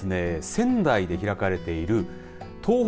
仙台で開かれている東北